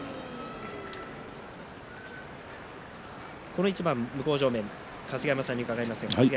この一番向正面、春日山さんに伺います。